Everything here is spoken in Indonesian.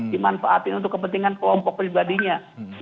di manfaatin untuk kepentingan kelompok pribadinya